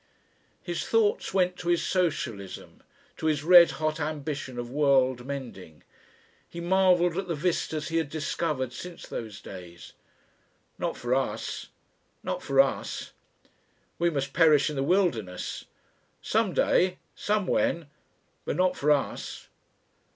His thoughts went to his Socialism, to his red hot ambition of world mending. He marvelled at the vistas he had discovered since those days. "Not for us Not for us. "We must perish in the wilderness. Some day. Somewhen. But not for us....